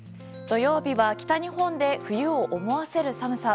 土曜日は北日本で冬を思わせる寒さ。